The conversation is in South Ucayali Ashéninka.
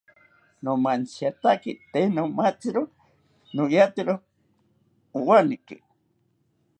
Nomantziatake tee nomatziro noyatero nowaneki